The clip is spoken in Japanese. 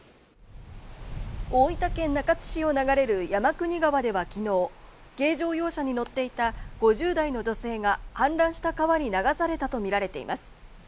大分県中津市を流れる山国川では昨日軽乗用車に乗っていた５０代の女性が氾濫した川に流されたとみられています。